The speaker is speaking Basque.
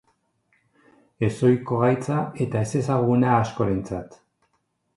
Ezohiko gaitza eta ezezaguna askorentzat.